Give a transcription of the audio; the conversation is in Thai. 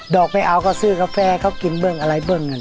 อกไม่เอาก็ซื้อกาแฟเขากินเบิ้งอะไรเบิ้ง